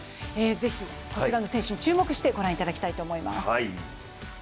ぜひこちらの選手に注目して御覧いただきたいと思います。